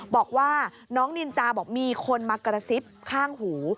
บอกว่าน้องนินจาบอกมีคนมากระซิบข้างหู